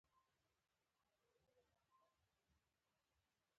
چې مجبور دي په خوشبینۍ کې ژوند وکړي.